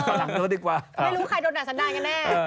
ไม่รู้ใครโดนดัดสันดายกันแน่